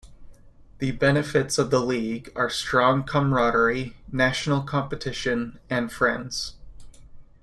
The benefits of the league are strong camaraderie, national competition and friends.